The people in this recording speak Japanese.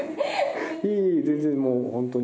いえいえ全然もうホントに。